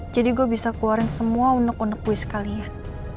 jadi gue bisa keluarin semua unek unek gue sekalian